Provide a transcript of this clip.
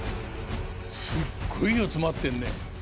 すっごい量詰まってんね。